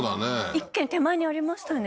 １軒手前にありましたね